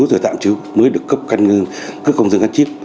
rồi tạm chú mới được cấp căn cước công dân gắn chíp